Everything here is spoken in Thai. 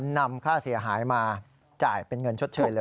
นำค่าเสียหายมาจ่ายเป็นเงินชดเชยเลย